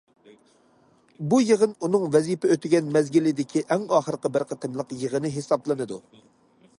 بۇ يىغىن ئۇنىڭ ۋەزىپە ئۆتىگەن مەزگىلدىكى ئەڭ ئاخىرقى بىر قېتىملىق يىغىنى ھېسابلىنىدۇ.